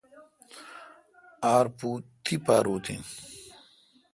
آر پُو تی پاروت این۔